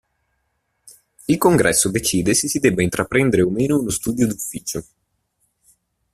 Il Congresso decide se si debba intraprendere o meno uno studio d'Ufficio.